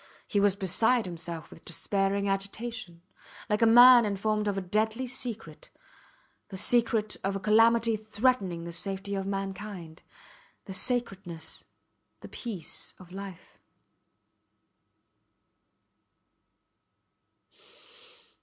He was beside himself with a despairing agitation, like a man informed of a deadly secret the secret of a calamity threatening the safety of mankind the sacredness, the peace of life.